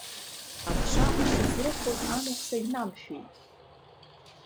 Аԥша шсыцрыхоз амахә сагьнамшәеит.